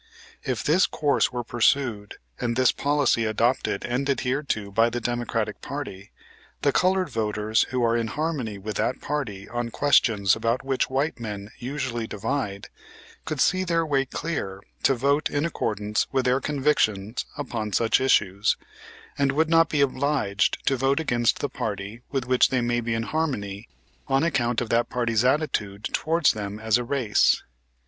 If this course were pursued, and this policy adopted and adhered to by the Democratic party, the colored voters who are in harmony with that party on questions about which white men usually divide, could see their way clear to vote in accordance with their convictions upon such issues, and would not be obliged to vote against the party with which they may be in harmony on account of that party's attitude towards them as a race.